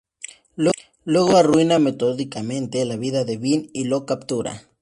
Luego arruina metódicamente la vida de Vin y lo captura.